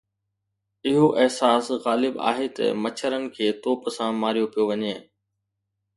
اهو احساس غالب آهي ته مڇرن کي توپ سان ماريو پيو وڃي.